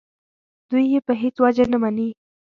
دوی یې په هېڅ وجه نه مني.